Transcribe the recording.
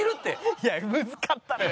いやムズかったのよ。